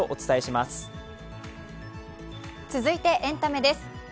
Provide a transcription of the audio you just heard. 続いてエンタメです。